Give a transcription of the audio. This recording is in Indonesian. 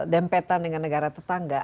dempetan dengan negara tetangga